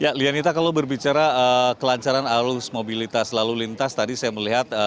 ya lianita kalau berbicara kelancaran arus mobilitas lalu lintas tadi saya melihat